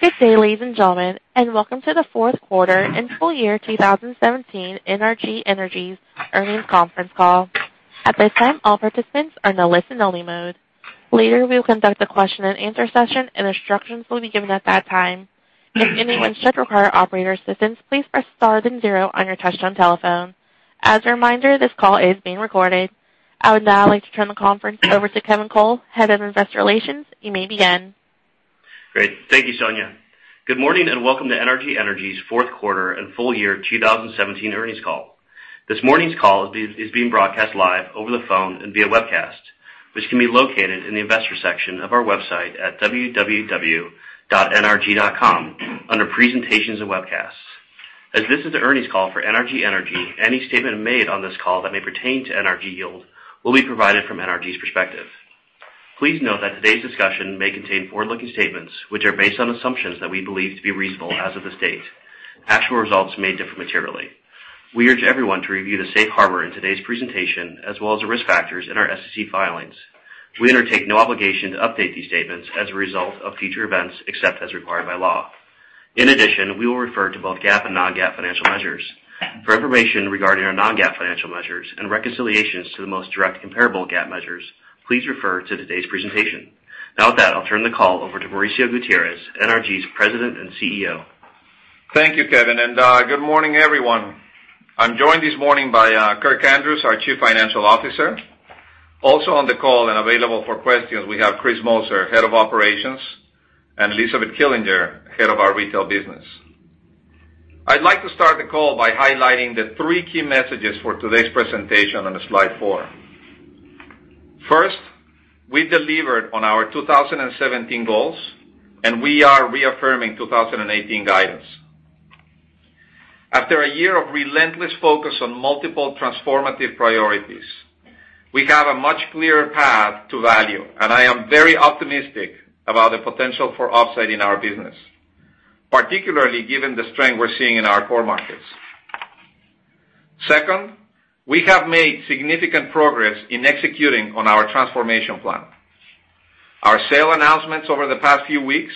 Good day, ladies and gentlemen, welcome to the fourth quarter and full year 2017 NRG Energy's earnings conference call. At this time, all participants are in a listen-only mode. Later, we will conduct a question and answer session, and instructions will be given at that time. If anyone should require operator assistance, please press star then zero on your touch-tone telephone. As a reminder, this call is being recorded. I would now like to turn the conference over to Kevin Cole, Head of Investor Relations. You may begin. Great. Thank you, Sonia. Good morning, and welcome to NRG Energy's fourth quarter and full year 2017 earnings call. This morning's call is being broadcast live over the phone and via webcast, which can be located in the Investors section of our website at www.nrg.com under Presentations and Webcasts. As this is the earnings call for NRG Energy, any statement made on this call that may pertain to NRG Yield will be provided from NRG's perspective. Please note that today's discussion may contain forward-looking statements, which are based on assumptions that we believe to be reasonable as of this date. Actual results may differ materially. We urge everyone to review the safe harbor in today's presentation, as well as the risk factors in our SEC filings. We undertake no obligation to update these statements as a result of future events, except as required by law. In addition, we will refer to both GAAP and non-GAAP financial measures. For information regarding our non-GAAP financial measures and reconciliations to the most direct comparable GAAP measures, please refer to today's presentation. Now with that, I'll turn the call over to Mauricio Gutierrez, NRG's President and CEO. Thank you, Kevin, and good morning, everyone. I'm joined this morning by Kirk Andrews, our Chief Financial Officer. Also on the call and available for questions, we have Chris Moser, Head of Operations, and Elizabeth Killinger, Head of our retail business. I'd like to start the call by highlighting the three key messages for today's presentation on slide four. First, we delivered on our 2017 goals, and we are reaffirming 2018 guidance. After a year of relentless focus on multiple transformative priorities, we have a much clearer path to value, and I am very optimistic about the potential for upside in our business, particularly given the strength we're seeing in our core markets. Second, we have made significant progress in executing on our transformation plan. Our sale announcements over the past few weeks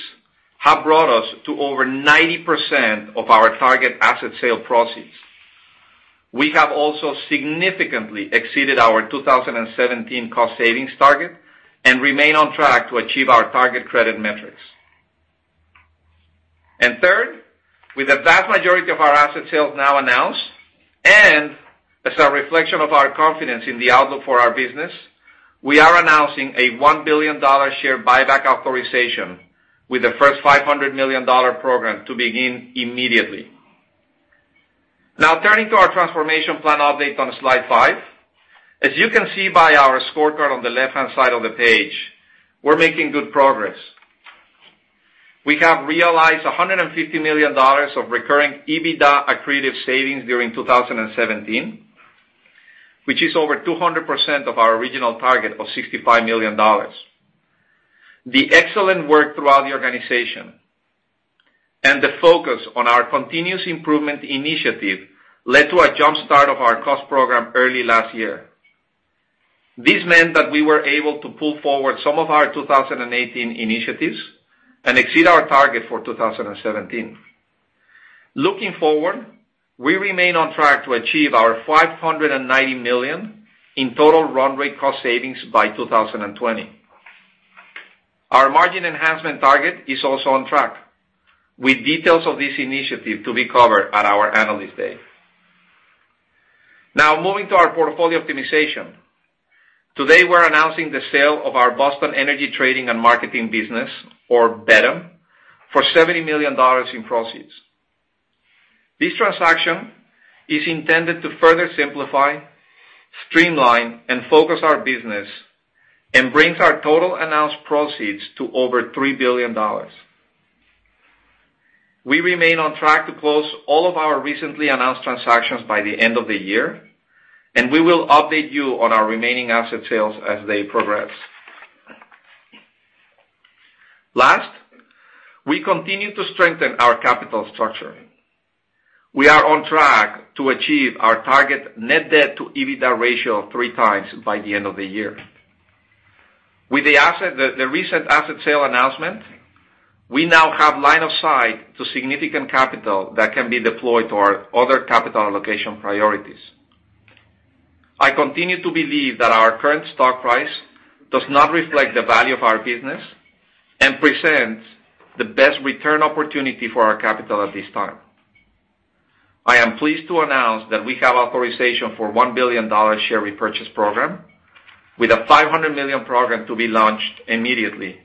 have brought us to over 90% of our target asset sale proceeds. We have also significantly exceeded our 2017 cost savings target and remain on track to achieve our target credit metrics. Third, with the vast majority of our asset sales now announced, and as a reflection of our confidence in the outlook for our business, we are announcing a $1 billion share buyback authorization with the first $500 million program to begin immediately. Turning to our transformation plan update on slide five. As you can see by our scorecard on the left-hand side of the page, we're making good progress. We have realized $150 million of recurring EBITDA accretive savings during 2017, which is over 200% of our original target of $65 million. The excellent work throughout the organization and the focus on our Continuous Improvement Initiative led to a jumpstart of our cost program early last year. This meant that we were able to pull forward some of our 2018 initiatives and exceed our target for 2017. Looking forward, we remain on track to achieve our $590 million in total run rate cost savings by 2020. Our margin enhancement target is also on track, with details of this initiative to be covered at our Analyst Day. Moving to our portfolio optimization. Today, we're announcing the sale of our Boston Energy Trading and Marketing business, or BETM, for $70 million in proceeds. This transaction is intended to further simplify, streamline, and focus our business and brings our total announced proceeds to over $3 billion. We remain on track to close all of our recently announced transactions by the end of the year, and we will update you on our remaining asset sales as they progress. Last, we continue to strengthen our capital structure. We are on track to achieve our target net debt to EBITDA ratio of three times by the end of the year. With the recent asset sale announcement, we now have line of sight to significant capital that can be deployed to our other capital allocation priorities. I continue to believe that our current stock price does not reflect the value of our business and presents the best return opportunity for our capital at this time. I am pleased to announce that we have authorization for a $1 billion share repurchase program, with a $500 million program to be launched immediately.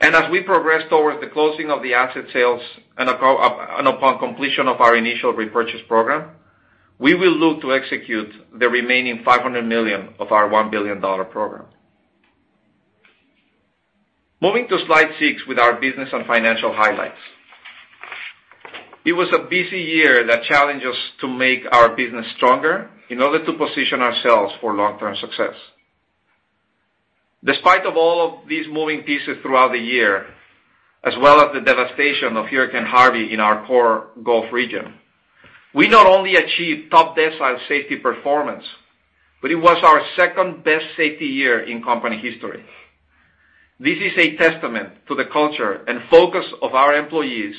As we progress towards the closing of the asset sales and upon completion of our initial repurchase program, we will look to execute the remaining $500 million of our $1 billion program. Moving to slide six with our business and financial highlights. It was a busy year that challenged us to make our business stronger in order to position ourselves for long-term success. Despite all of these moving pieces throughout the year, as well as the devastation of Hurricane Harvey in our core Gulf region. We not only achieved top decile safety performance, but it was our second-best safety year in company history. This is a testament to the culture and focus of our employees,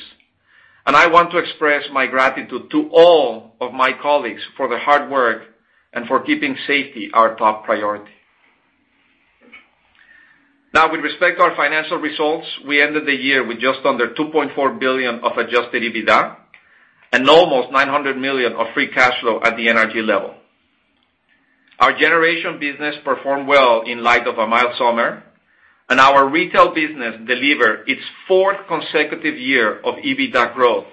and I want to express my gratitude to all of my colleagues for their hard work and for keeping safety our top priority. With respect to our financial results, we ended the year with just under $2.4 billion of adjusted EBITDA and almost $900 million of free cash flow at the NRG level. Our generation business performed well in light of a mild summer, our retail business delivered its fourth consecutive year of EBITDA growth,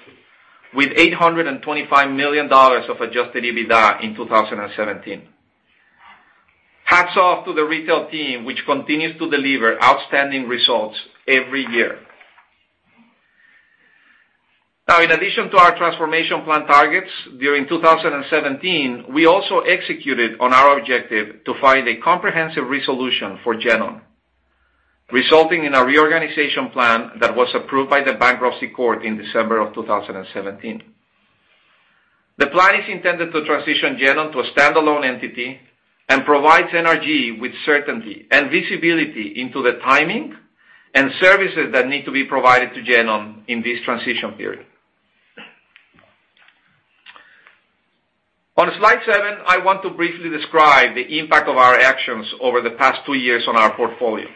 with $825 million of adjusted EBITDA in 2017. Hats off to the retail team, which continues to deliver outstanding results every year. In addition to our transformation plan targets, during 2017, we also executed on our objective to find a comprehensive resolution for GenOn, resulting in a reorganization plan that was approved by the bankruptcy court in December of 2017. The plan is intended to transition GenOn to a standalone entity and provides NRG with certainty and visibility into the timing and services that need to be provided to GenOn in this transition period. On slide seven, I want to briefly describe the impact of our actions over the past two years on our portfolio.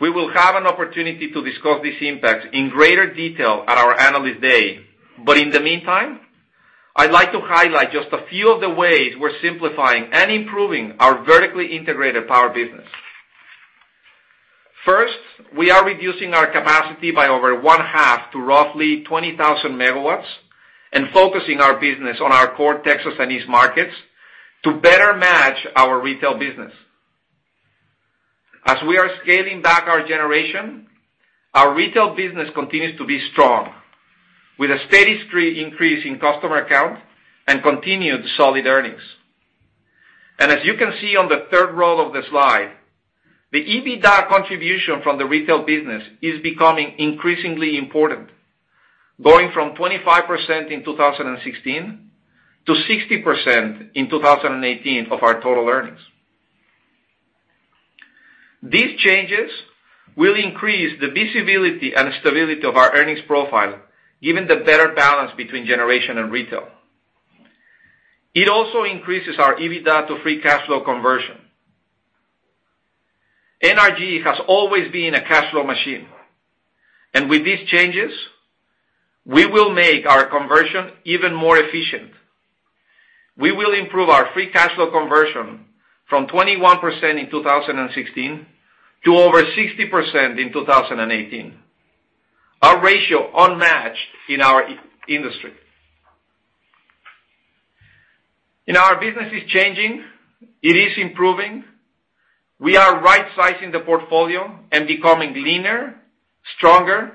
We will have an opportunity to discuss this impact in greater detail at our analyst day, but in the meantime, I'd like to highlight just a few of the ways we're simplifying and improving our vertically integrated power business. First, we are reducing our capacity by over one-half to roughly 20,000 megawatts and focusing our business on our core Texas and east markets to better match our retail business. As we are scaling back our generation, our retail business continues to be strong, with a steady increase in customer count and continued solid earnings. As you can see on the third row of the slide, the EBITDA contribution from the retail business is becoming increasingly important, going from 25% in 2016 to 60% in 2018 of our total earnings. These changes will increase the visibility and stability of our earnings profile, given the better balance between generation and retail. It also increases our EBITDA to free cash flow conversion. NRG has always been a cash flow machine. With these changes, we will make our conversion even more efficient. We will improve our free cash flow conversion from 21% in 2016 to over 60% in 2018. Our ratio unmatched in our industry. Our business is changing. It is improving. We are right-sizing the portfolio and becoming leaner, stronger,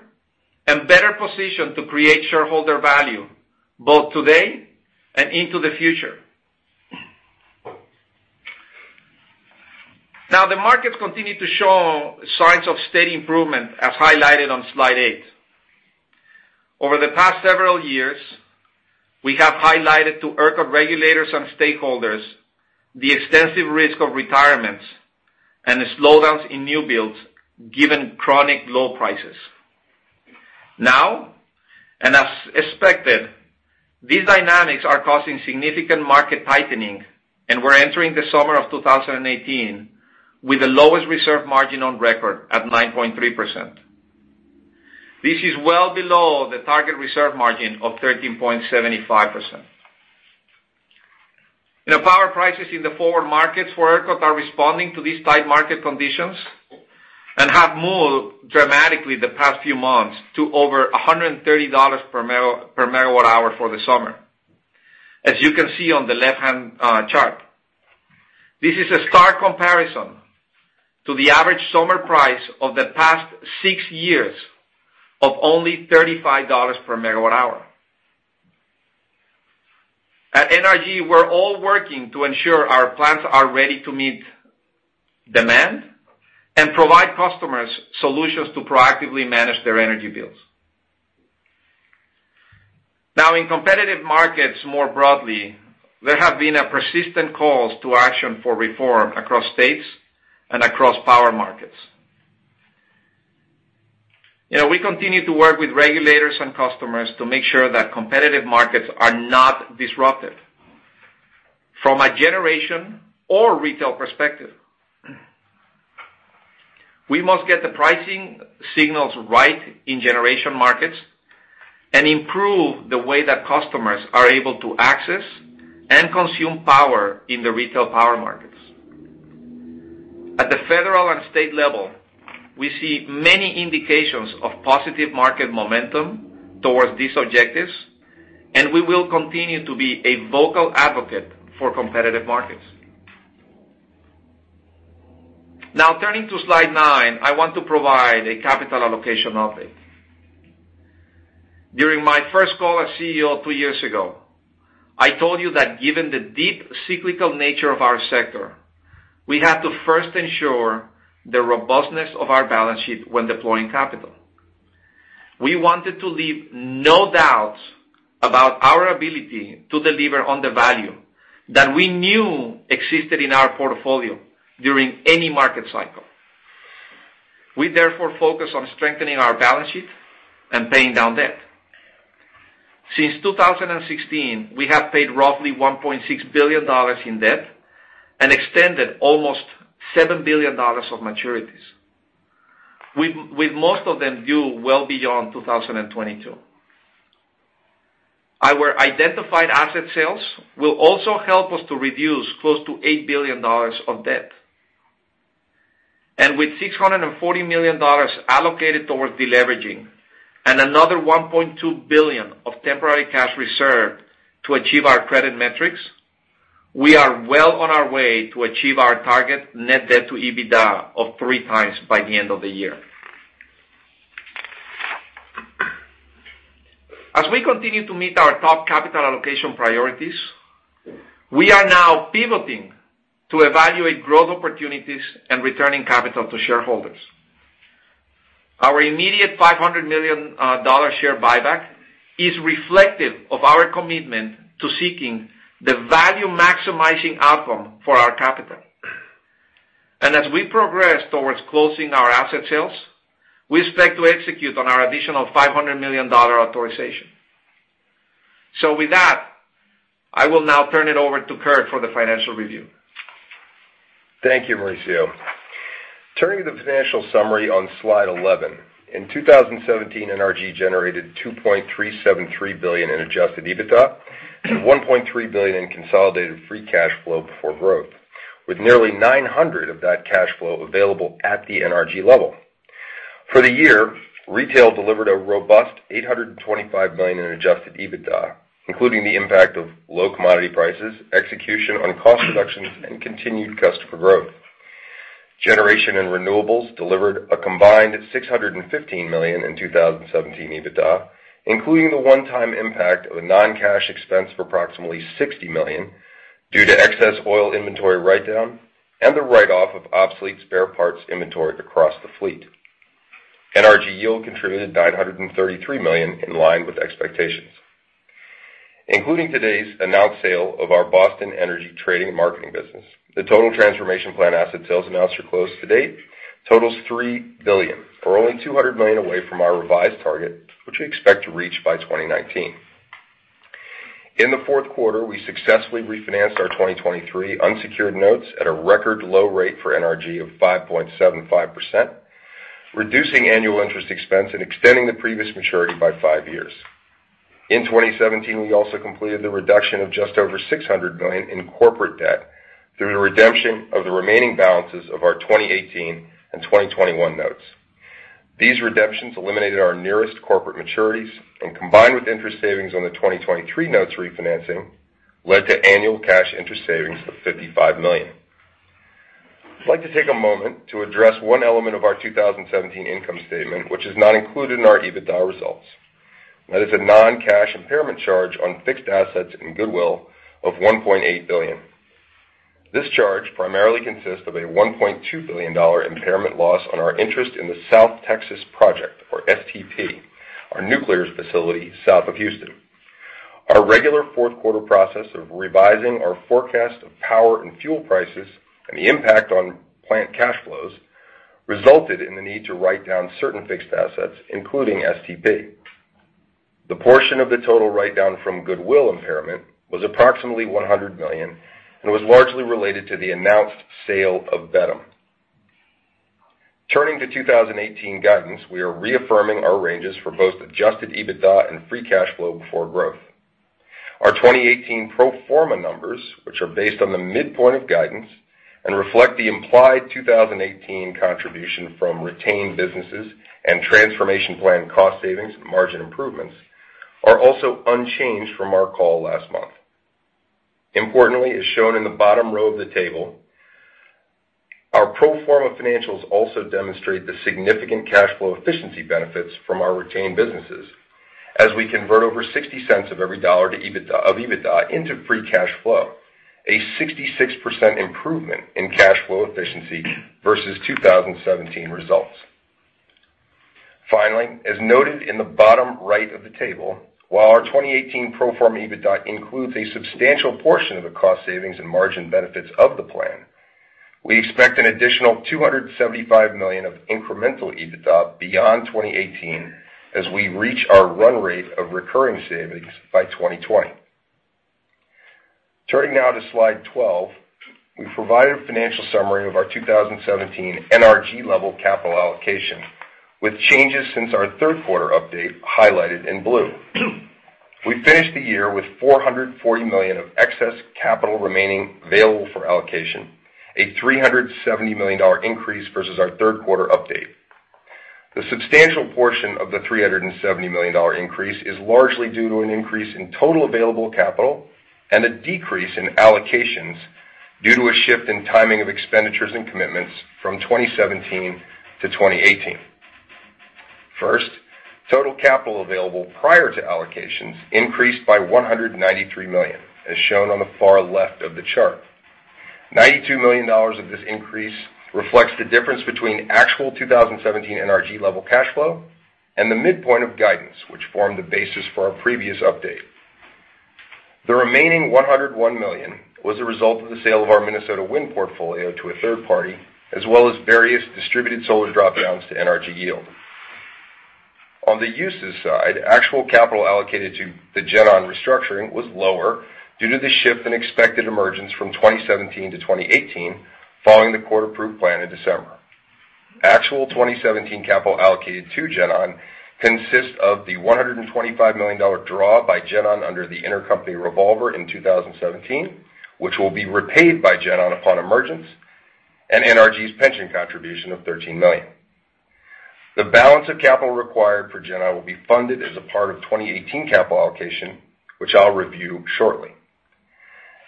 and better positioned to create shareholder value, both today and into the future. The markets continue to show signs of steady improvement, as highlighted on slide eight. Over the past several years, we have highlighted to ERCOT regulators and stakeholders the extensive risk of retirements and the slowdowns in new builds, given chronic low prices. As expected, these dynamics are causing significant market tightening, we're entering the summer of 2018 with the lowest reserve margin on record at 9.3%. This is well below the target reserve margin of 13.75%. Power prices in the forward markets for ERCOT are responding to these tight market conditions and have moved dramatically the past few months to over $130 per megawatt-hour for the summer, as you can see on the left-hand chart. This is a stark comparison to the average summer price of the past six years of only $35 per megawatt-hour. At NRG, we're all working to ensure our plants are ready to meet demand and provide customers solutions to proactively manage their energy bills. In competitive markets more broadly, there have been a persistent calls to action for reform across states and across power markets. We continue to work with regulators and customers to make sure that competitive markets are not disrupted from a generation or retail perspective. We must get the pricing signals right in generation markets and improve the way that customers are able to access and consume power in the retail power markets. At the federal and state level, we see many indications of positive market momentum towards these objectives. We will continue to be a vocal advocate for competitive markets. Now, turning to slide nine, I want to provide a capital allocation update. During my first call as CEO two years ago I told you that given the deep cyclical nature of our sector, we have to first ensure the robustness of our balance sheet when deploying capital. We wanted to leave no doubts about our ability to deliver on the value that we knew existed in our portfolio during any market cycle. We therefore focus on strengthening our balance sheet and paying down debt. Since 2016, we have paid roughly $1.6 billion in debt and extended almost $7 billion of maturities, with most of them due well beyond 2022. Our identified asset sales will also help us to reduce close to $8 billion of debt. With $640 million allocated towards deleveraging and another $1.2 billion of temporary cash reserved to achieve our credit metrics, we are well on our way to achieve our target net debt to EBITDA of three times by the end of the year. As we continue to meet our top capital allocation priorities, we are now pivoting to evaluate growth opportunities and returning capital to shareholders. Our immediate $500 million share buyback is reflective of our commitment to seeking the value-maximizing outcome for our capital. As we progress towards closing our asset sales, we expect to execute on our additional $500 million authorization. With that, I will now turn it over to Kirk for the financial review. Thank you, Mauricio. Turning to the financial summary on slide 11. In 2017, NRG generated $2.373 billion in adjusted EBITDA and $1.3 billion in consolidated free cash flow before growth, with nearly $900 million of that cash flow available at the NRG level. For the year, retail delivered a robust $825 million in adjusted EBITDA, including the impact of low commodity prices, execution on cost reductions, and continued customer growth. Generation and renewables delivered a combined $615 million in 2017 EBITDA, including the one-time impact of a non-cash expense of approximately $60 million due to excess oil inventory write-down and the write-off of obsolete spare parts inventory across the fleet. NRG Yield contributed $933 million in line with expectations. Including today's announced sale of our Boston Energy Trading and Marketing business, the total transformation plan asset sales announced or closed to date totals $3 billion, or only $200 million away from our revised target, which we expect to reach by 2019. In the fourth quarter, we successfully refinanced our 2023 unsecured notes at a record low rate for NRG of 5.75%, reducing annual interest expense and extending the previous maturity by five years. In 2017, we also completed the reduction of just over $600 million in corporate debt through the redemption of the remaining balances of our 2018 and 2021 notes. These redemptions eliminated our nearest corporate maturities, and combined with interest savings on the 2023 notes refinancing, led to annual cash interest savings of $55 million. I'd like to take a moment to address one element of our 2017 income statement, which is not included in our EBITDA results. That is a non-cash impairment charge on fixed assets and goodwill of $1.8 billion. This charge primarily consists of a $1.2 billion impairment loss on our interest in the South Texas Project, or STP, our nuclear facility south of Houston. Our regular fourth quarter process of revising our forecast of power and fuel prices and the impact on plant cash flows resulted in the need to write down certain fixed assets, including STP. The portion of the total write-down from goodwill impairment was approximately $100 million and was largely related to the announced sale of BETM. Turning to 2018 guidance, we are reaffirming our ranges for both adjusted EBITDA and free cash flow before growth. Our 2018 pro forma numbers, which are based on the midpoint of guidance and reflect the implied 2018 contribution from retained businesses and transformation plan cost savings and margin improvements, are also unchanged from our call last month. Importantly, as shown in the bottom row of the table, our pro forma financials also demonstrate the significant cash flow efficiency benefits from our retained businesses as we convert over $0.60 of every dollar of EBITDA into free cash flow, a 66% improvement in cash flow efficiency versus 2017 results. Finally, as noted in the bottom right of the table, while our 2018 pro forma EBITDA includes a substantial portion of the cost savings and margin benefits of the plan, we expect an additional $275 million of incremental EBITDA beyond 2018 as we reach our run rate of recurring savings by 2020. Turning now to slide 12. We've provided a financial summary of our 2017 NRG level capital allocation, with changes since our third quarter update highlighted in blue. We finished the year with $440 million of excess capital remaining available for allocation, a $370 million increase versus our third quarter update. The substantial portion of the $370 million increase is largely due to an increase in total available capital and a decrease in allocations due to a shift in timing of expenditures and commitments from 2017 to 2018. First, total capital available prior to allocations increased by $193 million, as shown on the far left of the chart. $92 million of this increase reflects the difference between actual 2017 NRG level cash flow and the midpoint of guidance, which formed the basis for our previous update. The remaining $101 million was a result of the sale of our Minnesota wind portfolio to a third party, as well as various distributed solar drop-downs to NRG Yield. On the uses side, actual capital allocated to the GenOn restructuring was lower due to the shift in expected emergence from 2017 to 2018, following the court-approved plan in December. Actual 2017 capital allocated to GenOn consists of the $125 million draw by GenOn under the intercompany revolver in 2017, which will be repaid by GenOn upon emergence, and NRG's pension contribution of $13 million. The balance of capital required for GenOn will be funded as a part of 2018 capital allocation, which I'll review shortly.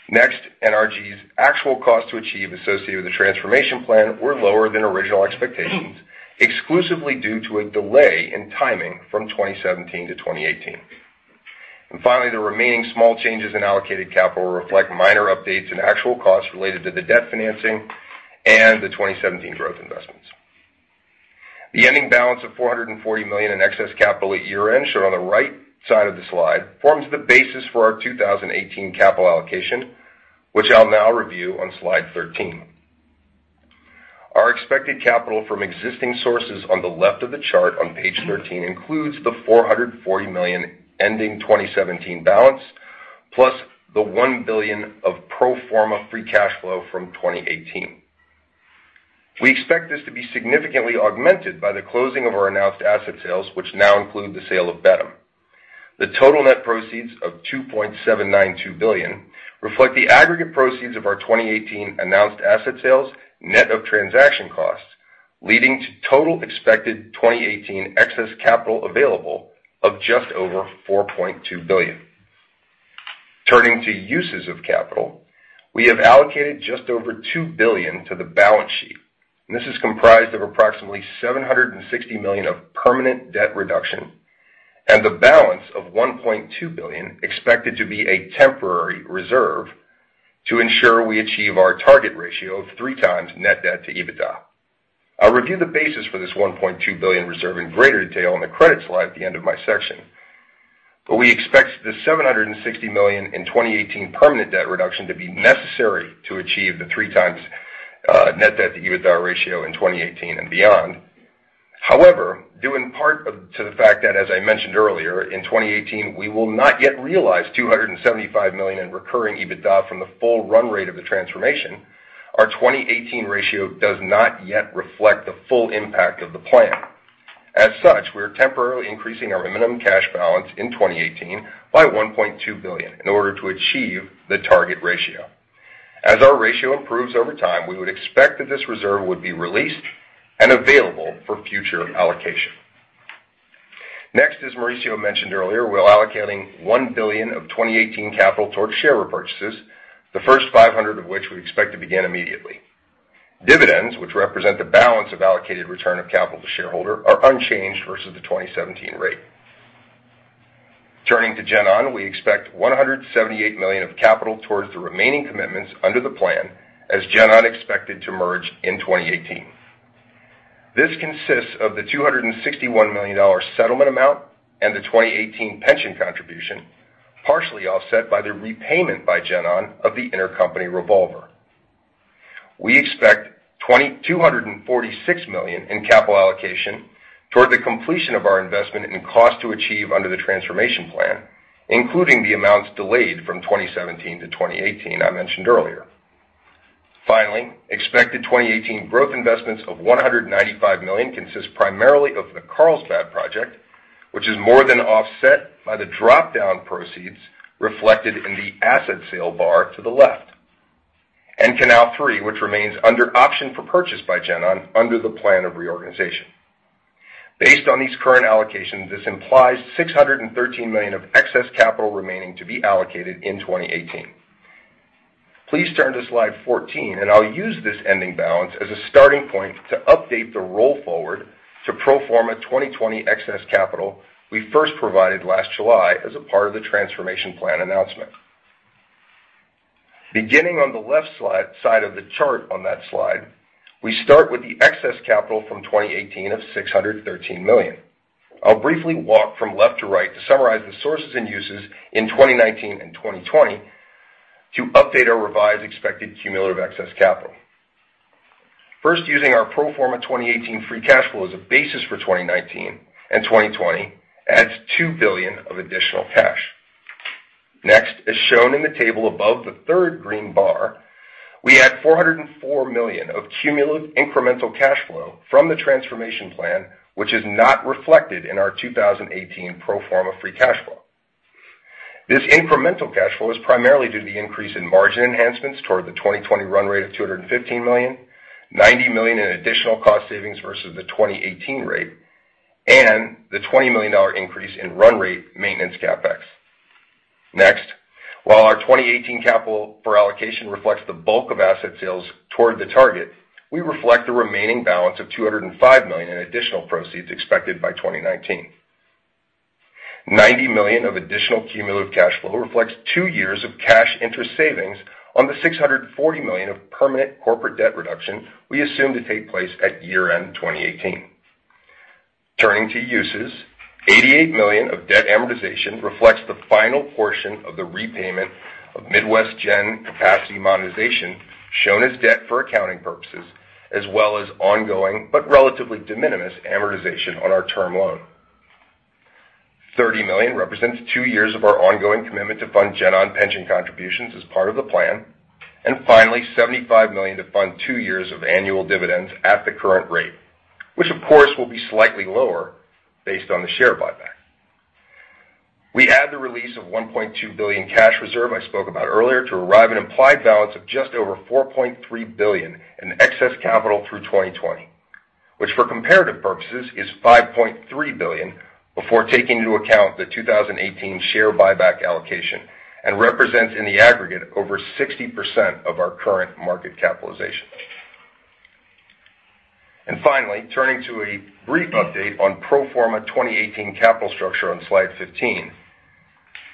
Next, NRG's actual cost to achieve associated with the transformation plan were lower than original expectations, exclusively due to a delay in timing from 2017 to 2018. Finally, the remaining small changes in allocated capital reflect minor updates and actual costs related to the debt financing and the 2017 growth investments. The ending balance of $440 million in excess capital at year-end, shown on the right side of the slide, forms the basis for our 2018 capital allocation, which I'll now review on slide 13. Our expected capital from existing sources on the left of the chart on page thirteen includes the $440 million ending 2017 balance, plus the $1 billion of pro forma free cash flow from 2018. We expect this to be significantly augmented by the closing of our announced asset sales, which now include the sale of BETM. The total net proceeds of $2.792 billion reflect the aggregate proceeds of our 2018 announced asset sales, net of transaction costs, leading to total expected 2018 excess capital available of just over $4.2 billion. Turning to uses of capital, we have allocated just over $2 billion to the balance sheet. This is comprised of approximately $760 million of permanent debt reduction and the balance of $1.2 billion expected to be a temporary reserve to ensure we achieve our target ratio of three times net debt to EBITDA. I'll review the basis for this $1.2 billion reserve in greater detail on the credits slide at the end of my section. We expect the $760 million in 2018 permanent debt reduction to be necessary to achieve the three times net debt to EBITDA ratio in 2018 and beyond. However, due in part to the fact that, as I mentioned earlier, in 2018, we will not yet realize $275 million in recurring EBITDA from the full run rate of the transformation, our 2018 ratio does not yet reflect the full impact of the plan. As such, we are temporarily increasing our minimum cash balance in 2018 by $1.2 billion in order to achieve the target ratio. As our ratio improves over time, we would expect that this reserve would be released and available for future allocation. Next, as Mauricio mentioned earlier, we're allocating $1 billion of 2018 capital towards share repurchases, the first $500 million of which we expect to begin immediately. Dividends, which represent the balance of allocated return of capital to shareholder, are unchanged versus the 2017 rate. Turning to GenOn, we expect $178 million of capital towards the remaining commitments under the plan, as GenOn expected to merge in 2018. This consists of the $261 million settlement amount and the 2018 pension contribution, partially offset by the repayment by GenOn of the intercompany revolver. We expect $246 million in capital allocation toward the completion of our investment in cost to achieve under the transformation plan, including the amounts delayed from 2017 to 2018 I mentioned earlier. Finally, expected 2018 growth investments of $195 million consist primarily of the Carlsbad project, which is more than offset by the drop-down proceeds reflected in the asset sale bar to the left. Canal 3, which remains under option for purchase by GenOn under the plan of reorganization. Based on these current allocations, this implies $613 million of excess capital remaining to be allocated in 2018. Please turn to slide 14. I'll use this ending balance as a starting point to update the roll forward to pro forma 2020 excess capital we first provided last July as a part of the transformation plan announcement. Beginning on the left side of the chart on that slide, we start with the excess capital from 2018 of $613 million. I'll briefly walk from left to right to summarize the sources and uses in 2019 and 2020 to update our revised expected cumulative excess capital. First, using our pro forma 2018 free cash flow as a basis for 2019 and 2020 adds $2 billion of additional cash. As shown in the table above the third green bar, we add $404 million of cumulative incremental cash flow from the transformation plan, which is not reflected in our 2018 pro forma free cash flow. This incremental cash flow is primarily due to the increase in margin enhancements toward the 2020 run rate of $215 million, $90 million in additional cost savings versus the 2018 rate, and the $20 million increase in run rate maintenance CapEx. While our 2018 capital for allocation reflects the bulk of asset sales toward the target, we reflect the remaining balance of $205 million in additional proceeds expected by 2019. $90 million of additional cumulative cash flow reflects two years of cash interest savings on the $640 million of permanent corporate debt reduction we assume to take place at year-end 2018. Turning to uses, $88 million of debt amortization reflects the final portion of the repayment of Midwest Generation capacity monetization shown as debt for accounting purposes, as well as ongoing, but relatively de minimis amortization on our term loan. $30 million represents two years of our ongoing commitment to fund GenOn pension contributions as part of the plan. Finally, $75 million to fund two years of annual dividends at the current rate, which of course will be slightly lower based on the share buyback. We add the release of $1.2 billion cash reserve I spoke about earlier to arrive at an implied balance of just over $4.3 billion in excess capital through 2020. Which for comparative purposes is $5.3 billion before taking into account the 2018 share buyback allocation, and represents in the aggregate over 60% of our current market capitalization. Finally, turning to a brief update on pro forma 2018 capital structure on slide 15.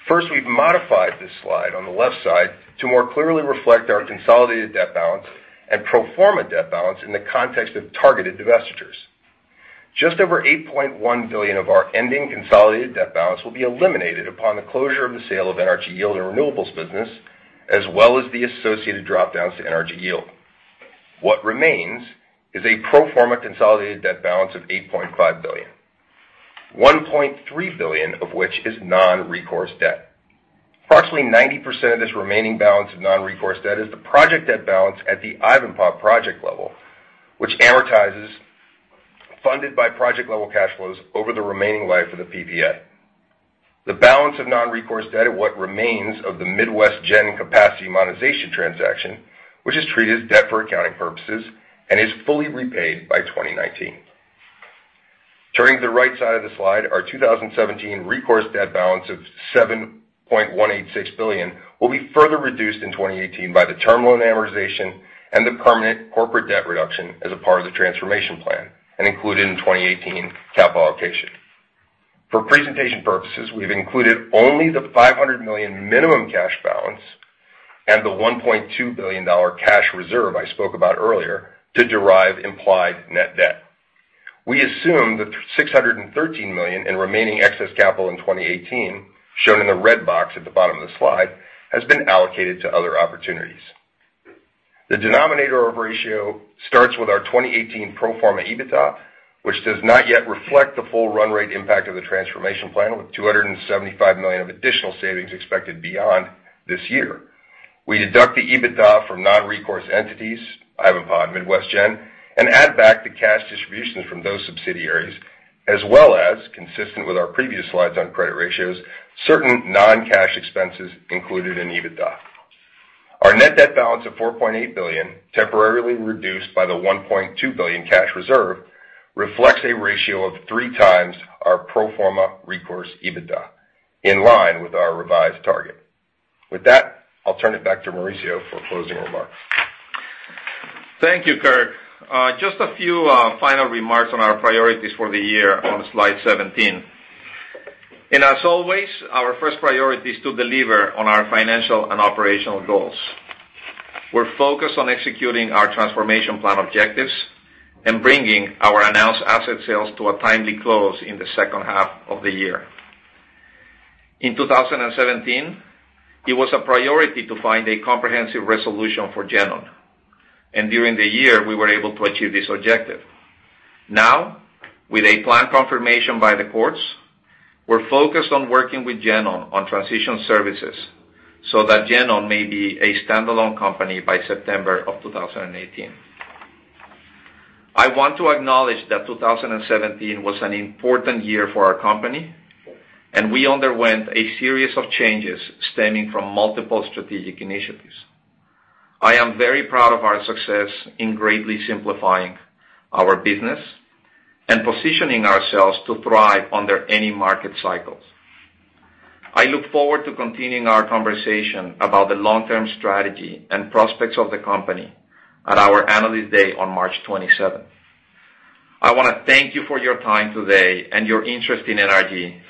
First, we've modified this slide on the left side to more clearly reflect our consolidated debt balance and pro forma debt balance in the context of targeted divestitures. Just over $8.1 billion of our ending consolidated debt balance will be eliminated upon the closure of the sale of NRG Yield and renewables business, as well as the associated drop-downs to NRG Yield. What remains is a pro forma consolidated debt balance of $8.5 billion, $1.3 billion of which is non-recourse debt. Approximately 90% of this remaining balance of non-recourse debt is the project debt balance at the Ivanpah project level, which amortizes, funded by project-level cash flows over the remaining life of the PPA. The balance of non-recourse debt at what remains of the Midwest Generation capacity monetization transaction, which is treated as debt for accounting purposes and is fully repaid by 2019. Turning to the right side of the slide, our 2017 recourse debt balance of $7.186 billion will be further reduced in 2018 by the term loan amortization and the permanent corporate debt reduction as a part of the transformation plan and included in 2018 capital allocation. For presentation purposes, we've included only the $500 million minimum cash balance and the $1.2 billion cash reserve I spoke about earlier to derive implied net debt. We assume the $613 million in remaining excess capital in 2018, shown in the red box at the bottom of the slide, has been allocated to other opportunities. The denominator of ratio starts with our 2018 pro forma EBITDA, which does not yet reflect the full run rate impact of the transformation plan, with $275 million of additional savings expected beyond this year. We deduct the EBITDA from non-recourse entities, Ivanpah and Midwest Generation, and add back the cash distributions from those subsidiaries as well as, consistent with our previous slides on credit ratios, certain non-cash expenses included in EBITDA. Our net debt balance of $4.8 billion, temporarily reduced by the $1.2 billion cash reserve, reflects a ratio of three times our pro forma recourse EBITDA, in line with our revised target. With that, I'll turn it back to Mauricio for closing remarks. Thank you, Kirk. Just a few final remarks on our priorities for the year on slide 17. As always, our first priority is to deliver on our financial and operational goals. We're focused on executing our transformation plan objectives and bringing our announced asset sales to a timely close in the second half of the year. In 2017, it was a priority to find a comprehensive resolution for GenOn, and during the year, we were able to achieve this objective. Now, with a plan confirmation by the courts, we're focused on working with GenOn on transition services so that GenOn may be a standalone company by September of 2018. I want to acknowledge that 2017 was an important year for our company, and we underwent a series of changes stemming from multiple strategic initiatives. I am very proud of our success in greatly simplifying our business and positioning ourselves to thrive under any market cycles. I look forward to continuing our conversation about the long-term strategy and prospects of the company at our Analyst Day on March 27th. I want to thank you for your time today and your interest in NRG.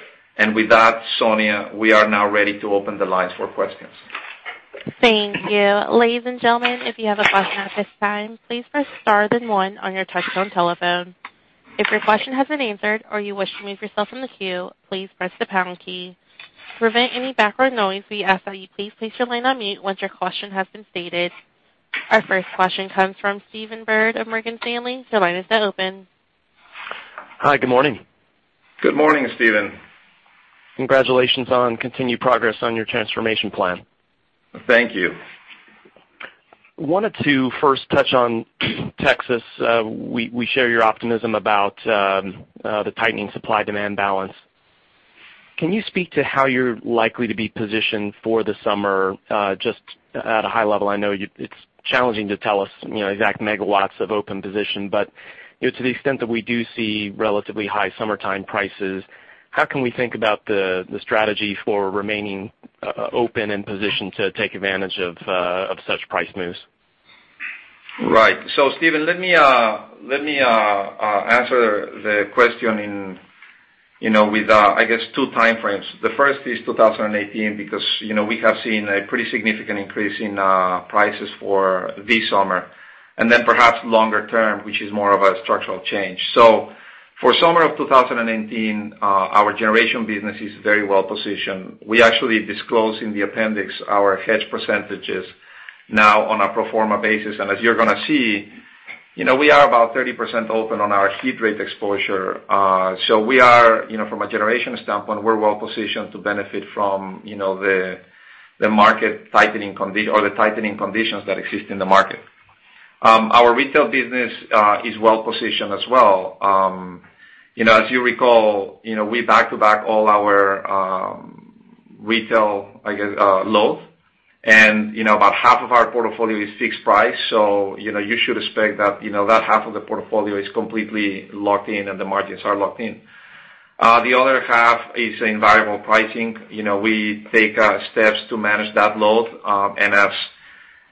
With that, Sonia, we are now ready to open the lines for questions. Thank you. Ladies and gentlemen, if you have a question at this time, please press star then 1 on your touch-tone telephone. If your question has been answered or you wish to remove yourself from the queue, please press the pound key. To prevent any backward noise, we ask that you please place your line on mute once your question has been stated. Our first question comes from Stephen Byrd of Morgan Stanley. Your line is now open. Hi, good morning. Good morning, Stephen. Congratulations on continued progress on your transformation plan. Thank you. I wanted to first touch on Texas. We share your optimism about the tightening supply-demand balance. Can you speak to how you're likely to be positioned for the summer, just at a high level? I know it's challenging to tell us exact megawatts of open position, but to the extent that we do see relatively high summertime prices, how can we think about the strategy for remaining open and positioned to take advantage of such price moves? Right. Stephen, let me answer the question with, I guess, two time frames. The first is 2018, because we have seen a pretty significant increase in prices for this summer. Then perhaps longer term, which is more of a structural change. For summer of 2019, our generation business is very well-positioned. We actually disclose in the appendix our hedge percentages now on a pro forma basis. As you're going to see, we are about 30% open on our heat rate exposure. From a generation standpoint, we're well-positioned to benefit from the tightening conditions that exist in the market. Our retail business is well-positioned as well. As you recall, we back to back all our retail load, and about half of our portfolio is fixed price. You should expect that half of the portfolio is completely locked in, and the margins are locked in. The other half is in variable pricing. We take steps to manage that load, and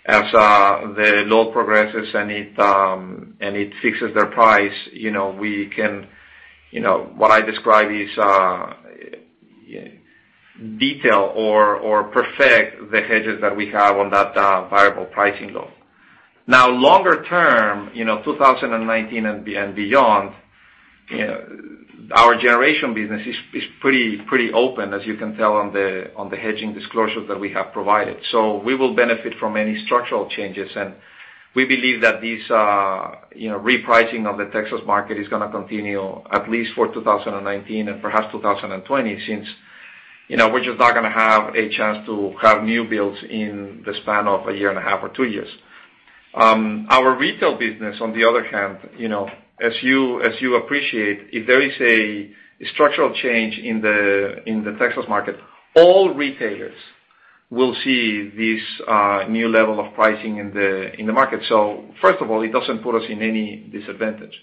as the load progresses, and it fixes the price, what I describe is detail or perfect the hedges that we have on that variable pricing load. Longer term, 2019 and beyond, our generation business is pretty open, as you can tell on the hedging disclosures that we have provided. We will benefit from any structural changes, and we believe that this repricing of the Texas market is going to continue at least for 2019 and perhaps 2020, since we're just not going to have a chance to have new builds in the span of a year and a half or two years. Our retail business, on the other hand, as you appreciate, if there is a structural change in the Texas market, all retailers will see this new level of pricing in the market. First of all, it doesn't put us in any disadvantage.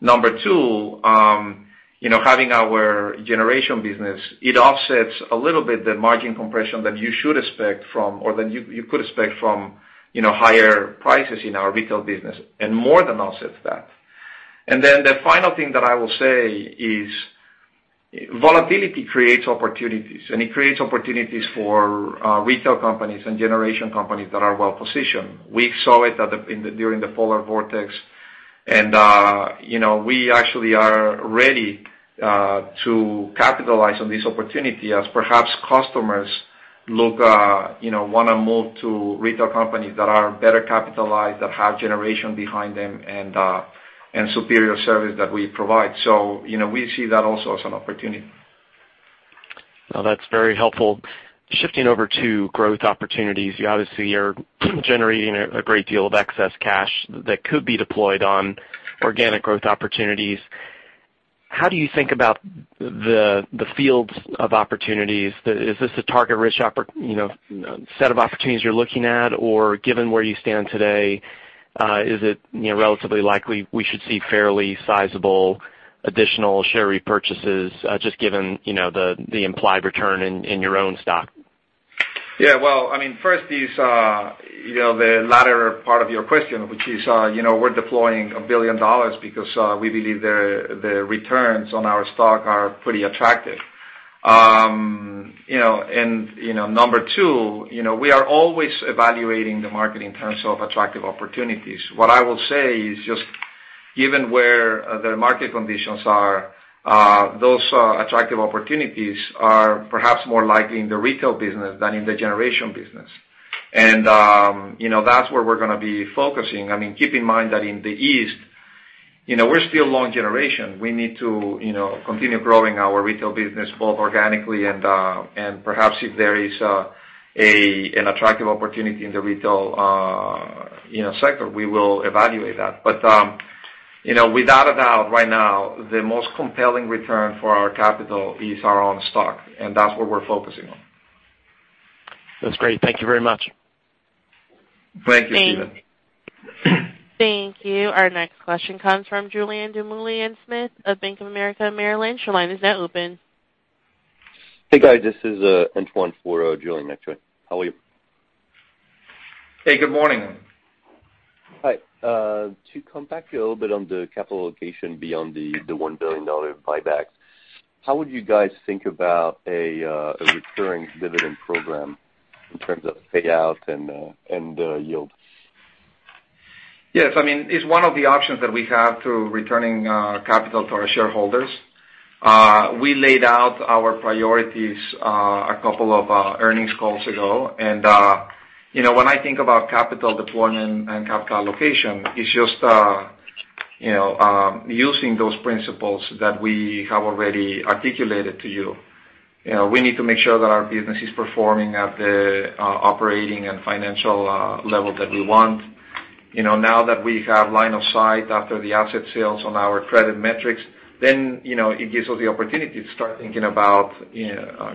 Number two, having our generation business, it offsets a little bit the margin compression that you should expect from, or that you could expect from higher prices in our retail business, and more than offsets that. The final thing that I will say is volatility creates opportunities, and it creates opportunities for retail companies and generation companies that are well-positioned. We saw it during the polar vortex, and we actually are ready to capitalize on this opportunity as perhaps customers want to move to retail companies that are better capitalized, that have generation behind them, and superior service that we provide. We see that also as an opportunity. No, that's very helpful. Shifting over to growth opportunities, you obviously are generating a great deal of excess cash that could be deployed on organic growth opportunities. How do you think about the fields of opportunities? Is this a target-rich set of opportunities you're looking at? Or given where you stand today, is it relatively likely we should see fairly sizable additional share repurchases just given the implied return in your own stock? Yeah. First is the latter part of your question, which is we're deploying $1 billion because we believe the returns on our stock are pretty attractive. Number 2, we are always evaluating the market in terms of attractive opportunities. What I will say is just given where the market conditions are, those attractive opportunities are perhaps more likely in the retail business than in the generation business. That's where we're going to be focusing. Keep in mind that in the East, we're still long generation. We need to continue growing our retail business both organically and perhaps if there is an attractive opportunity in the retail sector, we will evaluate that. Without a doubt, right now, the most compelling return for our capital is our own stock, and that's what we're focusing on. That's great. Thank you very much. Thank you, Stephen. Thank you. Our next question comes from Julien Dumoulin-Smith of Bank of America Merrill Lynch. Your line is now open. Hey, guys. This is Antoine for Julien, actually. How are you? Hey, good morning. Hi. To come back a little bit on the capital allocation beyond the $1 billion buybacks, how would you guys think about a recurring dividend program in terms of payouts and yields? Yes. It's one of the options that we have to returning capital to our shareholders. We laid out our priorities a couple of earnings calls ago. When I think about capital deployment and capital allocation, it's just using those principles that we have already articulated to you. We need to make sure that our business is performing at the operating and financial level that we want. Now that we have line of sight after the asset sales on our credit metrics, it gives us the opportunity to start thinking about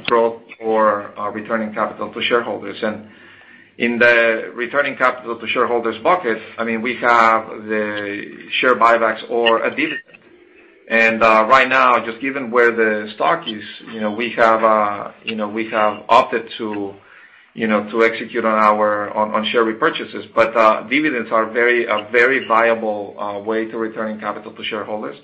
growth or returning capital to shareholders. In the returning capital to shareholders bucket, we have the share buybacks or a dividend. Right now, just given where the stock is, we have opted to execute on share repurchases. Dividends are a very viable way to return capital to shareholders.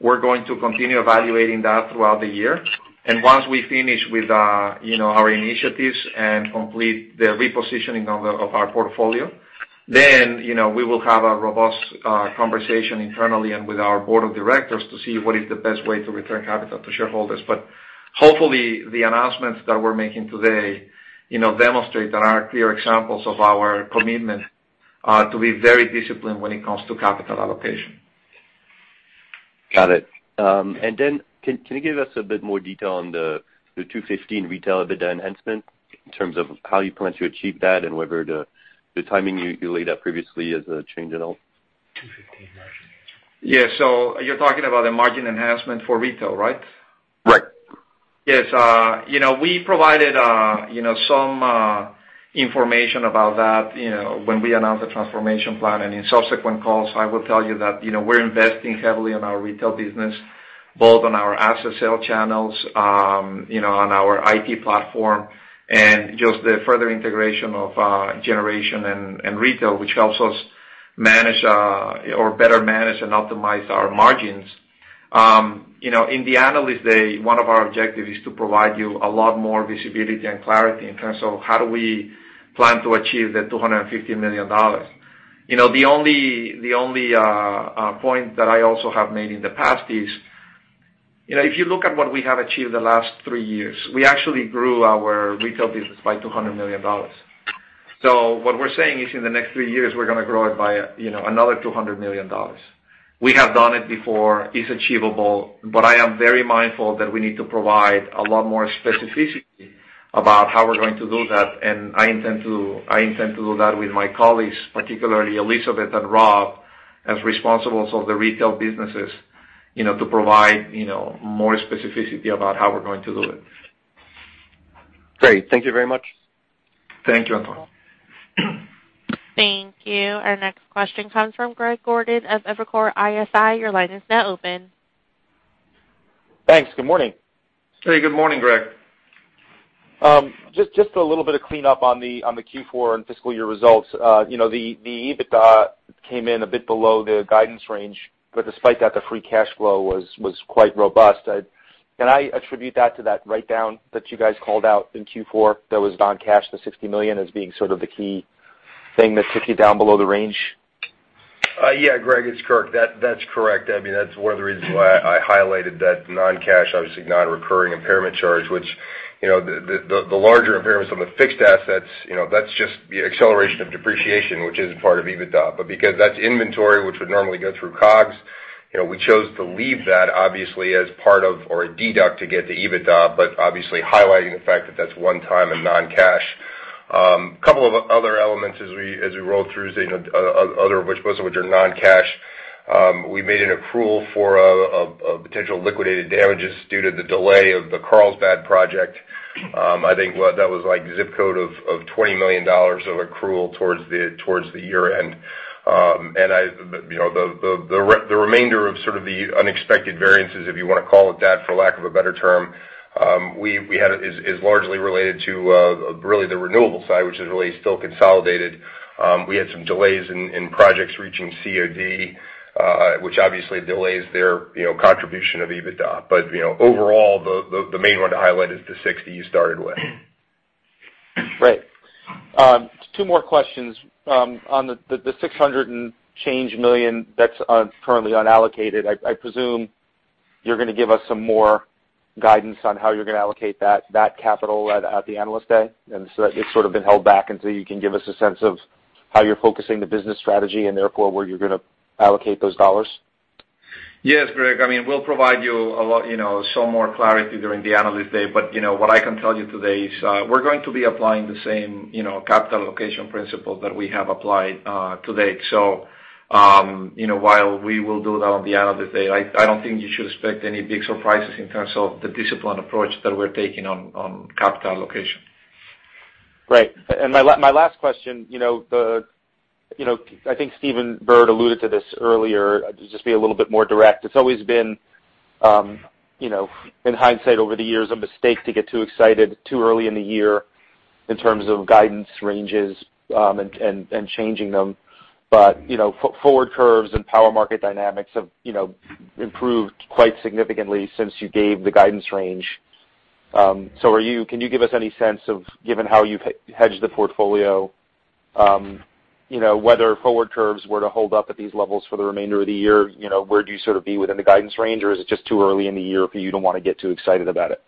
We're going to continue evaluating that throughout the year. Once we finish with our initiatives and complete the repositioning of our portfolio, then we will have a robust conversation internally and with our board of directors to see what is the best way to return capital to shareholders. Hopefully, the announcements that we're making today demonstrate that are clear examples of our commitment to be very disciplined when it comes to capital allocation. Got it. Then can you give us a bit more detail on the $215 retail EBITDA enhancement in terms of how you plan to achieve that and whether the timing you laid out previously has changed at all? Yeah. You're talking about the margin enhancement for retail, right? Right. Yes. We provided some information about that when we announced the transformation plan, and in subsequent calls, I will tell you that we're investing heavily in our retail business, both on our asset sale channels, on our IT platform, and just the further integration of generation and retail, which helps us better manage and optimize our margins. In the Analyst Day, one of our objectives is to provide you a lot more visibility and clarity in terms of how do we plan to achieve the $250 million. The only point that I also have made in the past is, if you look at what we have achieved the last three years, we actually grew our retail business by $200 million. What we're saying is in the next three years, we're going to grow it by another $200 million. We have done it before. It's achievable, but I am very mindful that we need to provide a lot more specificity about how we're going to do that, and I intend to do that with my colleagues, particularly Elizabeth and Rob, as responsible for the retail businesses to provide more specificity about how we're going to do it. Great. Thank you very much. Thank you, Antoine. Thank you. Our next question comes from Greg Gordon of Evercore ISI. Your line is now open. Thanks. Good morning. Hey, good morning, Greg. Just a little bit of cleanup on the Q4 and fiscal year results. Despite that, the EBITDA came in a bit below the guidance range, the free cash flow was quite robust. Can I attribute that to that write-down that you guys called out in Q4 that was non-cash, the $60 million as being sort of the key thing that took you down below the range? Greg, that's correct. That's one of the reasons why I highlighted that non-cash, obviously non-recurring impairment charge, which the larger impairments on the fixed assets, that's just the acceleration of depreciation, which isn't part of EBITDA. Because that's inventory, which would normally go through COGS, we chose to leave that obviously as part of or a deduct to get to EBITDA, obviously highlighting the fact that that's one time and non-cash. A couple of other elements as we roll through, most of which are non-cash. We made an accrual for a potential liquidated damages due to the delay of the Carlsbad project. I think that was like zip code of $20 million of accrual towards the year-end. The remainder of sort of the unexpected variances, if you want to call it that, for lack of a better term, is largely related to really the renewable side, which is really still consolidated. We had some delays in projects reaching COD, which obviously delays their contribution of EBITDA. Overall, the main one to highlight is the $60 you started with. Right. Two more questions. On the $600 million and change that's currently unallocated, I presume you're going to give us some more guidance on how you're going to allocate that capital at the Analyst Day, so that it's sort of been held back until you can give us a sense of how you're focusing the business strategy and therefore where you're going to allocate those dollars? Yes, Greg. We'll provide you some more clarity during the Analyst Day. What I can tell you today is we're going to be applying the same capital allocation principle that we have applied to date. While we will do that on the Analyst Day, I don't think you should expect any big surprises in terms of the disciplined approach that we're taking on capital allocation. Right. My last question, I think Stephen Byrd alluded to this earlier. I'll just be a little bit more direct. It's always been, in hindsight over the years, a mistake to get too excited too early in the year in terms of guidance ranges and changing them. Forward curves and power market dynamics have improved quite significantly since you gave the guidance range. Can you give us any sense of, given how you've hedged the portfolio, whether forward curves were to hold up at these levels for the remainder of the year, where do you sort of be within the guidance range? Is it just too early in the year for you don't want to get too excited about it?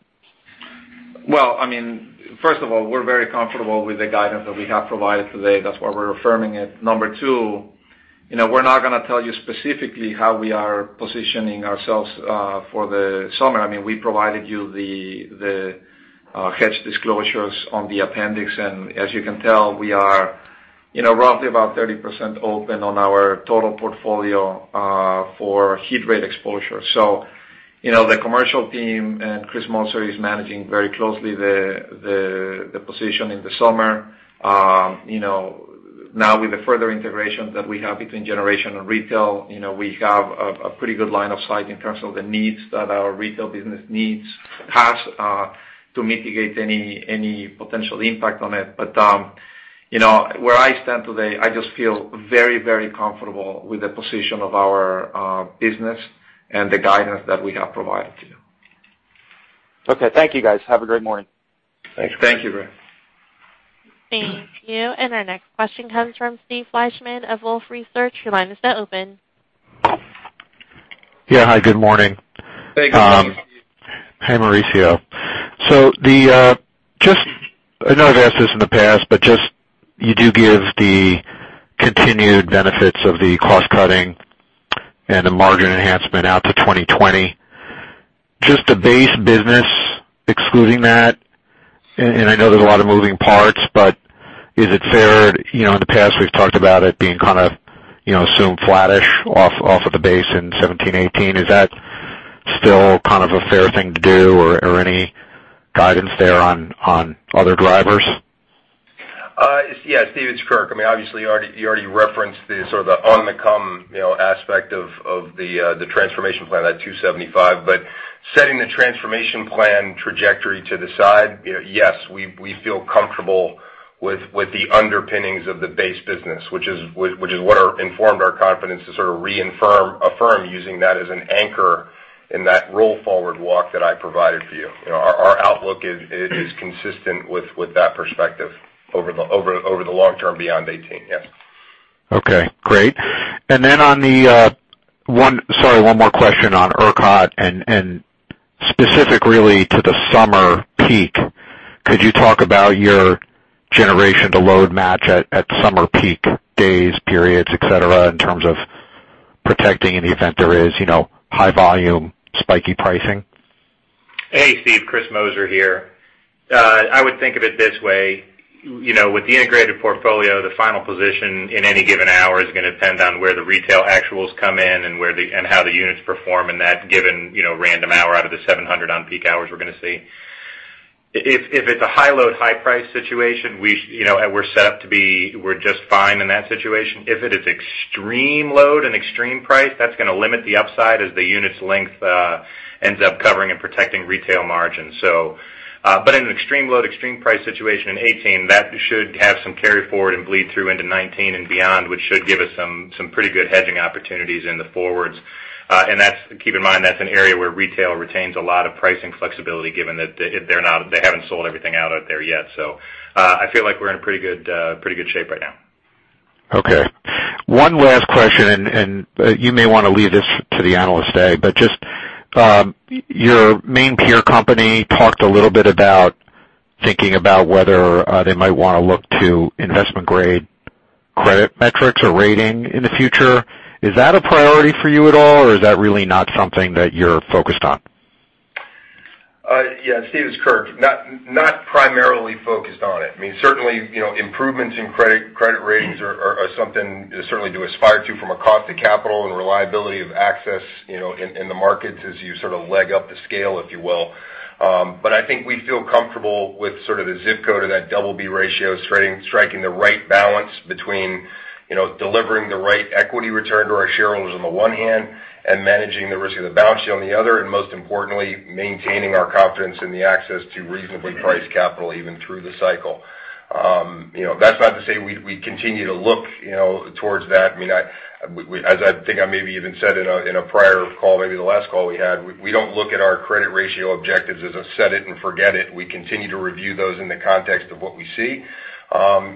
First of all, we're very comfortable with the guidance that we have provided today. That's why we're affirming it. Number 2, we're not going to tell you specifically how we are positioning ourselves for the summer. We provided you the hedge disclosures on the appendix, as you can tell, we are roughly about 30% open on our total portfolio for heat rate exposure. The commercial team and Chris Moser is managing very closely the position in the summer. With the further integration that we have between generation and retail, we have a pretty good line of sight in terms of the needs that our retail business has to mitigate any potential impact on it. Where I stand today, I just feel very, very comfortable with the position of our business and the guidance that we have provided to you. Okay. Thank you, guys. Have a great morning. Thanks. Thank you, Greg. Thank you. Our next question comes from Steve Fleishman of Wolfe Research. Your line is now open. Yeah. Hi, good morning. Hey, good morning. Hey, Mauricio. I know I've asked this in the past, but just you do give the continued benefits of the cost-cutting and the margin enhancement out to 2020. Just the base business excluding that, and I know there's a lot of moving parts, but is it fair, in the past we've talked about it being kind of assumed flat-ish off of the base in 2017, 2018. Is that still kind of a fair thing to do, or any guidance there on other drivers? Yeah, Steve, it's Kirk. I mean, obviously you already referenced the sort of on the come aspect of the transformation plan, that 275. Setting the transformation plan trajectory to the side, yes, we feel comfortable with the underpinnings of the base business, which is what informed our confidence to sort of reaffirm using that as an anchor in that roll-forward walk that I provided for you. Our outlook is consistent with that perspective over the long term beyond 2018. Yes. Okay, great. Sorry, one more question on ERCOT and specific really to the summer peak. Could you talk about your generation to load match at summer peak days, periods, et cetera, in terms of protecting in the event there is high volume, spiky pricing? Hey, Steve. Chris Moser here. I would think of it this way. With the integrated portfolio, the final position in any given hour is going to depend on where the retail actuals come in and how the units perform in that given random hour out of the 700 on-peak hours we're going to see. If it's a high load, high price situation, we're set up to be just fine in that situation. If it is extreme load and extreme price, that's going to limit the upside as the unit's length ends up covering and protecting retail margins. In an extreme load, extreme price situation in 2018, that should have some carry-forward and bleed through into 2019 and beyond, which should give us some pretty good hedging opportunities in the forwards. Keep in mind, that's an area where retail retains a lot of pricing flexibility given that they haven't sold everything out there yet. I feel like we're in pretty good shape right now. Okay. One last question, and you may want to leave this to the analyst day, but just your main peer company talked a little bit about thinking about whether they might want to look to investment-grade credit metrics or rating in the future. Is that a priority for you at all, or is that really not something that you're focused on? Yeah. Steve, it's Kirk. Not primarily focused on it. I mean, certainly, improvements in credit ratings are something certainly to aspire to from a cost of capital and reliability of access in the markets as you sort of leg up the scale, if you will. Most importantly, maintaining our confidence in the access to reasonably priced capital even through the cycle. That's not to say we continue to look towards that. As I think I maybe even said in a prior call, maybe the last call we had, we don't look at our credit ratio objectives as a set it and forget it. We continue to review those in the context of what we see,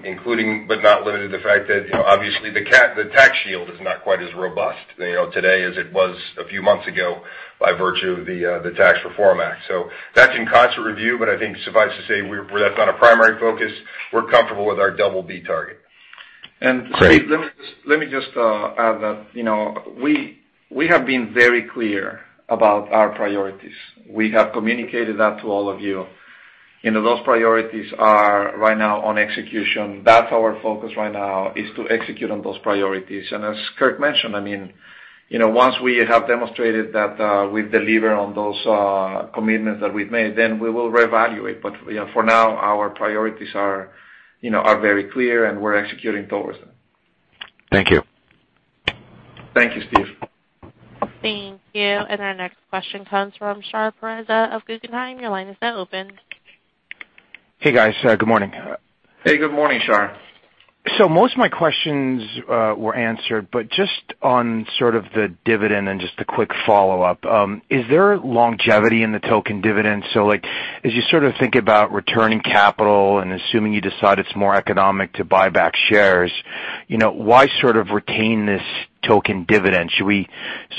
including, but not limited to the fact that obviously the tax shield is not quite as robust today as it was a few months ago by virtue of the Tax Reform Act. That's in constant review, but I think suffice to say, that's not a primary focus. We're comfortable with our double B target. Great. Steve, let me just add that we have been very clear about our priorities. We have communicated that to all of you, and those priorities are right now on execution. That's our focus right now, is to execute on those priorities. As Kirk mentioned, once we have demonstrated that we've delivered on those commitments that we've made, then we will reevaluate. For now, our priorities are very clear, and we're executing towards them. Thank you. Thank you, Steve. Thank you. Our next question comes from Shahriar Pourreza of Guggenheim. Your line is now open. Hey, guys. Good morning. Hey, good morning, Shahriar. Most of my questions were answered, but just on sort of the dividend and just a quick follow-up. Is there longevity in the token dividend? As you sort of think about returning capital and assuming you decide it's more economic to buy back shares, why sort of retain this token dividend? Should we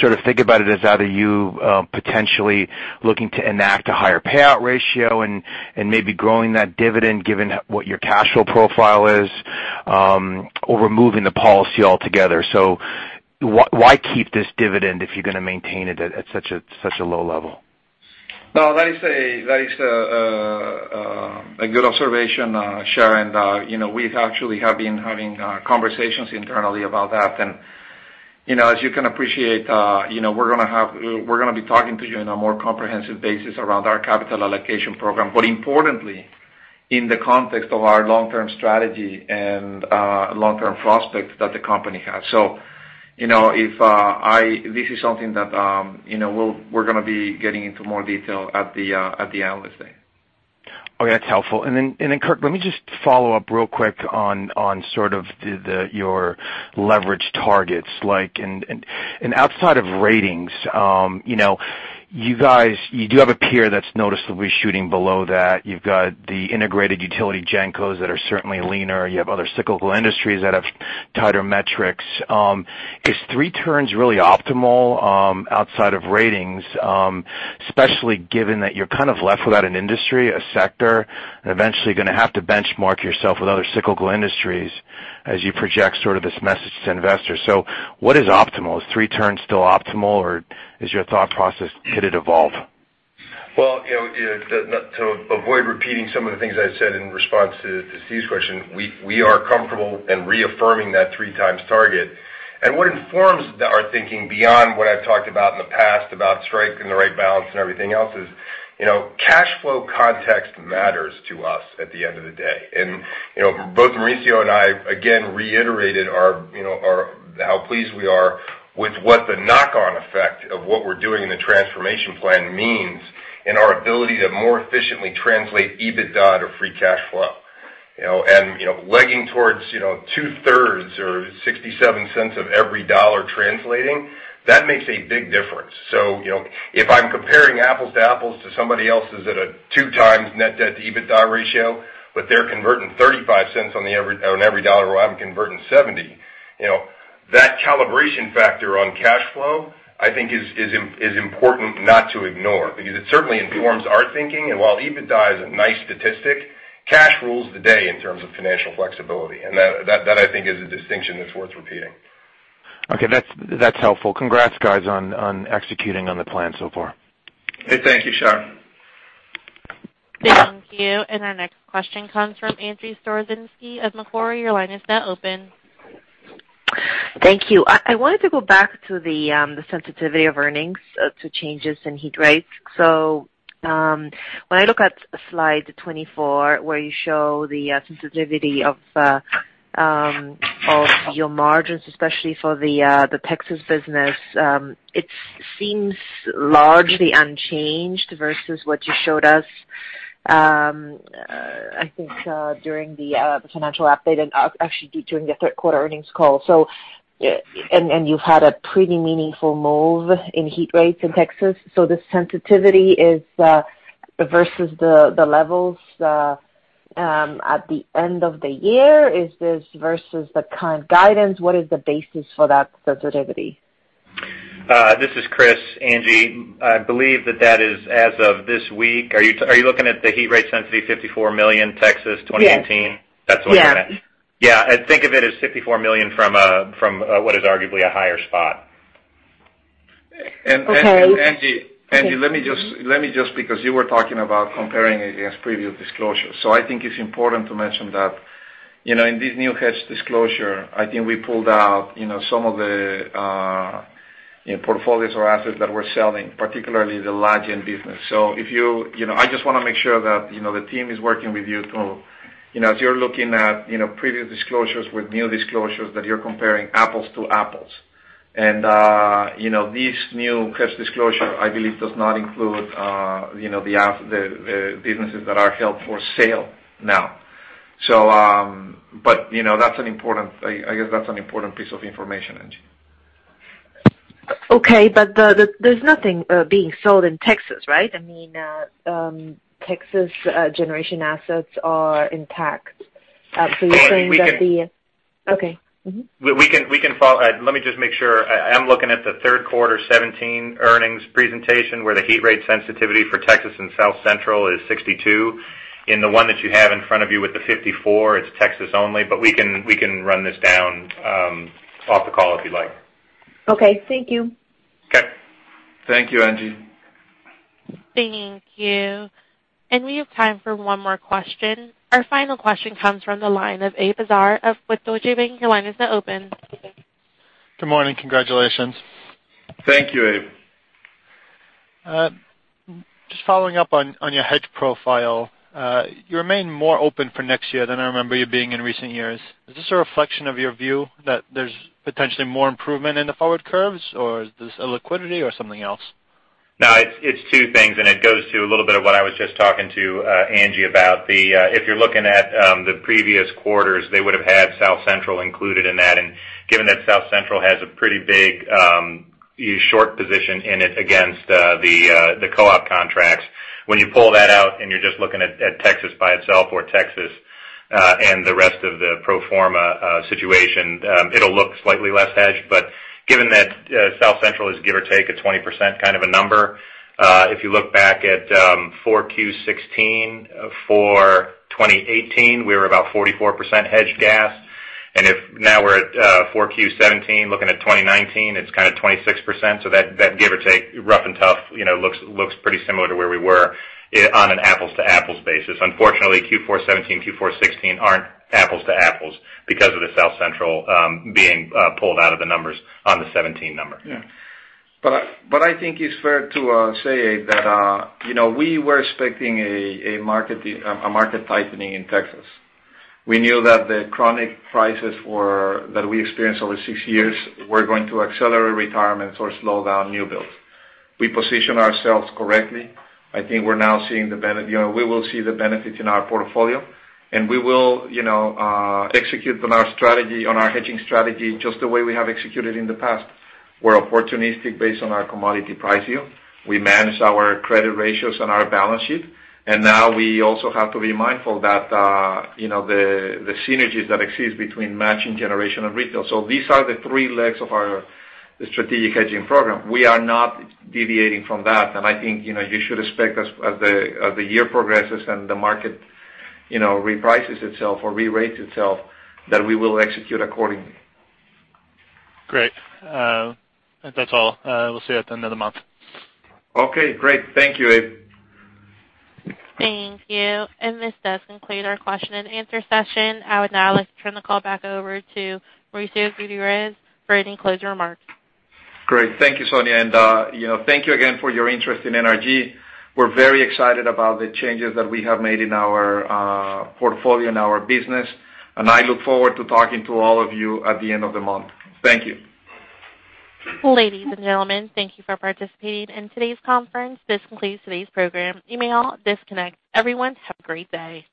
sort of think about it as either you potentially looking to enact a higher payout ratio and maybe growing that dividend given what your cash flow profile is, or removing the policy altogether? Why keep this dividend if you're going to maintain it at such a low level? A good observation, Shar. We actually have been having conversations internally about that. As you can appreciate, we're going to be talking to you in a more comprehensive basis around our capital allocation program, but importantly, in the context of our long-term strategy and long-term prospects that the company has. This is something that we're going to be getting into more detail at the analyst day. Okay. That's helpful. Then, Kirk, let me just follow up real quick on sort of your leverage targets. Outside of ratings, you do have a peer that's noticeably shooting below that. You've got the integrated utility gencos that are certainly leaner. You have other cyclical industries that have tighter metrics. Is three turns really optimal outside of ratings? Especially given that you're kind of left without an industry, a sector, and eventually going to have to benchmark yourself with other cyclical industries as you project sort of this message to investors. What is optimal? Is three turns still optimal, or is your thought process, could it evolve? To avoid repeating some of the things I said in response to Steve's question, we are comfortable in reaffirming that 3 times target. What informs our thinking beyond what I've talked about in the past about strike and the right balance and everything else is, cash flow context matters to us at the end of the day. Both Mauricio and I, again, reiterated how pleased we are with what the knock-on effect of what we're doing in the transformation plan means in our ability to more efficiently translate EBITDA to free cash flow. Legging towards two-thirds or $0.67 of every dollar translating, that makes a big difference. If I'm comparing apples to apples to somebody else's at a 2 times net debt to EBITDA ratio, they're converting $0.35 on every dollar, while I'm converting $0.70, that calibration factor on cash flow, I think, is important not to ignore because it certainly informs our thinking. While EBITDA is a nice statistic, cash rules the day in terms of financial flexibility. That I think is a distinction that's worth repeating. Okay. That's helpful. Congrats, guys, on executing on the plan so far. Thank you, Shahriar. Thank you. Our next question comes from Angie Storozynski of Macquarie. Your line is now open. Thank you. I wanted to go back to the sensitivity of earnings to changes in heat rates. When I look at slide 24, where you show the sensitivity of your margins, especially for the Texas business, it seems largely unchanged versus what you showed us, I think, during the financial update and actually during the third-quarter earnings call. You've had a pretty meaningful move in heat rates in Texas. This sensitivity versus the levels at the end of the year, is this versus the current guidance? What is the basis for that sensitivity? This is Chris. Angie, I believe that that is as of this week. Are you looking at the heat rate sensitivity, $54 million Texas 2018? Yes. That's what you're at? Yeah. Yeah. Think of it as $54 million from what is arguably a higher spot. Okay. Angie, let me just, because you were talking about comparing it against previous disclosure. I think it's important to mention that in this new hedge disclosure, I think we pulled out some of the portfolios or assets that we're selling, particularly the La Gen business. I just want to make sure that the team is working with you to, as you're looking at previous disclosures with new disclosures, that you're comparing apples to apples. This new hedge disclosure, I believe, does not include the businesses that are held for sale now. I guess that's an important piece of information, Angie. Okay. There's nothing being sold in Texas, right? I mean, Texas generation assets are intact. You're saying that the- We can- Okay. Mm-hmm. Let me just make sure. I am looking at the third quarter 2017 earnings presentation, where the heat rate sensitivity for Texas and South Central is 62. In the one that you have in front of you with the 54, it's Texas only. We can run this down off the call if you'd like. Okay. Thank you. Okay. Thank you, Angie. Thank you. We have time for one more question. Our final question comes from the line of Abe Azar with Deutsche Bank. Your line is now open. Good morning. Congratulations. Thank you, Abe. Just following up on your hedge profile. You remain more open for next year than I remember you being in recent years. Is this a reflection of your view that there's potentially more improvement in the forward curves, or is this illiquidity or something else? No, it's two things. It goes to a little bit of what I was just talking to Angie about. If you're looking at the previous quarters, they would have had South Central included in that. Given that South Central has a pretty big short position in it against the co-op contracts, when you pull that out and you're just looking at Texas by itself or Texas and the rest of the pro forma situation, it'll look slightly less hedged. Given that South Central is give or take a 20% kind of a number, if you look back at 4Q16 for 2018, we were about 44% hedged gas. If now we're at 4Q17, looking at 2019, it's kind of 26%. That give or take, rough and tough, looks pretty similar to where we were on an apples-to-apples basis. Unfortunately, Q4 2017, Q4 2016 aren't apples to apples because of the South Central being pulled out of the numbers on the 2017 number. Yeah. I think it's fair to say, Abe, that we were expecting a market tightening in Texas. We knew that the chronic prices that we experienced over six years were going to accelerate retirements or slow down new builds. We positioned ourselves correctly. I think we will see the benefits in our portfolio, and we will execute on our hedging strategy just the way we have executed in the past. We're opportunistic based on our commodity price view. We manage our credit ratios on our balance sheet. Now we also have to be mindful that the synergies that exist between matching generation and retail. These are the three legs of our strategic hedging program. We are not deviating from that. I think you should expect as the year progresses and the market reprices itself or rerates itself, that we will execute accordingly. Great. That's all. We'll see you at the end of the month. Okay, great. Thank you, Abe. Thank you. This does conclude our question and answer session. I would now like to turn the call back over to Mauricio Gutierrez for any closing remarks. Great. Thank you, Sonia, and thank you again for your interest in NRG. We're very excited about the changes that we have made in our portfolio and our business, and I look forward to talking to all of you at the end of the month. Thank you. Ladies and gentlemen, thank you for participating in today's conference. This concludes today's program. You may all disconnect. Everyone, have a great day.